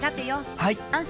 はい。